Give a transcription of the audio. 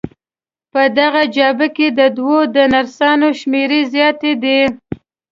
په دغه جبهه کې د دوی د نرسانو شمېر زیات دی.